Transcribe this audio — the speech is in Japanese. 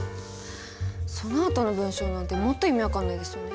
そのあとの文章なんてもっと意味分かんないですよね。